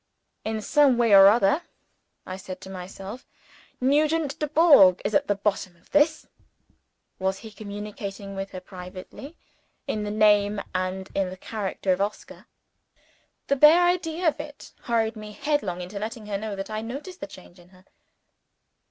"In some way or other," I said to myself, "Nugent Dubourg is at the bottom of this." Was he communicating with her privately, in the name and in the character of Oscar? The bare idea of it hurried me headlong into letting her know that I had noticed the change in her.